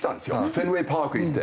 フェンウェイ・パーク行って。